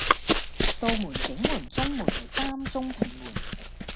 杜門、景門、中門為三中平門